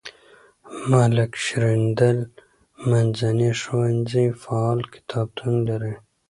ملک شیریندل منځنی ښوونځی فعال کتابتون لري.